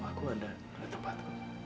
aku ada tempat